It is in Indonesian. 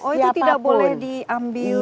oh itu tidak boleh diambil